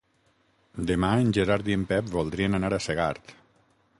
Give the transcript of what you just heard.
Demà en Gerard i en Pep voldrien anar a Segart.